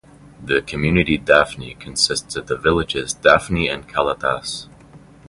The community Dafni consists of the villages Dafni and Kalathas.